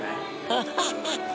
ハハハ